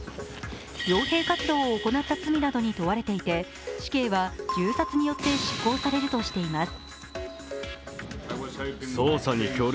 よう兵活動を行った罪などに問われていて死刑は銃殺によって執行されるとしています。